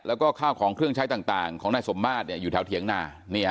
แล้วก็ข้าวของเครื่องใช้ต่างของนายสมมาตรอยู่แถวเถียงนา